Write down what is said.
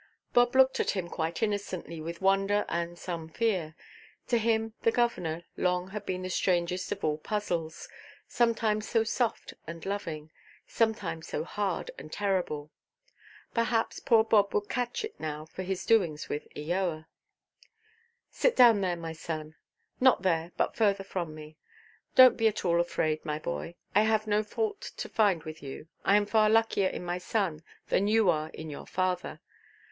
Bob looked at him quite innocently with wonder and some fear. To him "the governor" long had been the strangest of all puzzles, sometimes so soft and loving, sometimes so hard and terrible. Perhaps poor Bob would catch it now for his doings with Eoa. "Sit down there, my son. Not there, but further from me. Donʼt be at all afraid, my boy. I have no fault to find with you. I am far luckier in my son, than you are in your father.